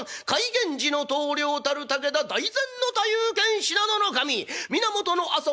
源氏の棟梁たる武田大膳大夫兼信濃守源朝臣